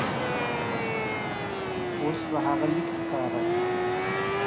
اوس به هغه لیک ښکاره کړم.